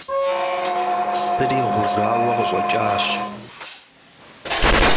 Псыри гъужауэ къыщӏэкӏащ.